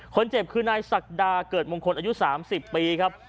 คนเจ็บคือนายศักดาเกิดมงคลอายุ๓๐ปีครับ